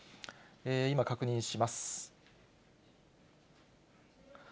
今、確認します。